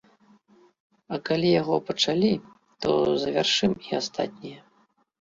А калі яго пачалі, то завяршым і астатнія.